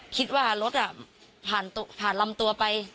คิดว่ารถผ่านลำตัวไป